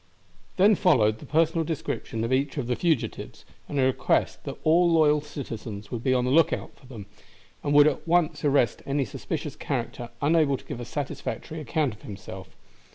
Then followed the personal description of each of the fugitives, and a request that all loyal citizens would be on the look out for them, and would at once arrest any suspicious character unable to give a satisfactory account of himself.